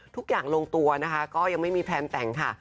ทุกอย่างลงตัวนะคะก็ยังไม่มีแพลนแต่งค่ะ